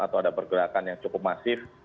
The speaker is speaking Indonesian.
atau ada pergerakan yang cukup masif